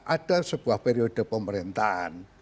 ada sebuah periode pemerintahan